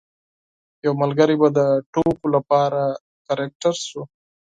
یو ملګری به د ټوکو لپاره کرکټر شو.